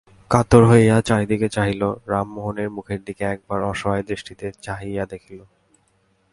কাতর হইয়া চারিদিকে চাহিল, রামমোহনের মুখের দিকে একবার অসহায় দৃষ্টিতে চাহিয়া দেখিল।